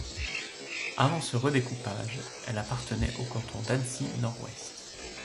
Avant ce redécoupage, elle appartenait au canton d’Annecy-Nord-Ouest.